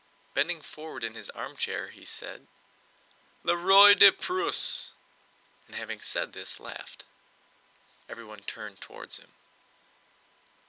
Bending forward in his armchair he said: "Le Roi de Prusse!" and having said this laughed. Everyone turned toward him.